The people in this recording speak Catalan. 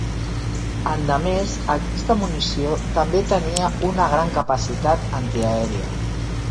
Endemés, aquesta munició també tenia una gran capacitat antiaèria.